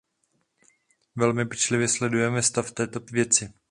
Velmi pečlivě sledujeme stav této věci.